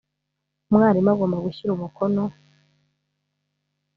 umwarimu agomba gushyira umukono